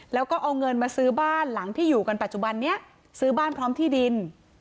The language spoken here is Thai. แล้วก็เอาเงินมาซื้อบ้านหลังที่อยู่กันปัจจุบันนี้ซื้อบ้านพร้อมที่ดิน